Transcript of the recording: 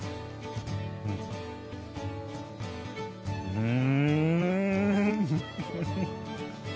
うん！